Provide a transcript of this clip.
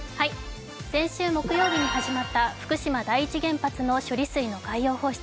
先週木曜日に始まった福島第一原発の処理水の海洋放出。